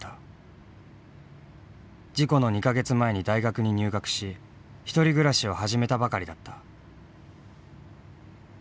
事故の２か月前に大学に入学し１人暮らしを始めたばかりだった。